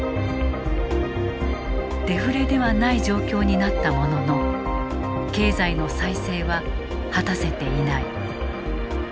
デフレではない状況になったものの経済の再生は果たせていない。